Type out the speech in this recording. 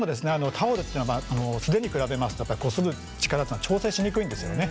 タオルっていうのは素手に比べますとやっぱりこする力っていうのは調整しにくいんですよね。